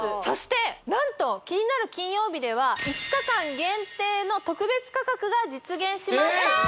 そして何と「キニナル金曜日」では５日間限定の特別価格が実現しました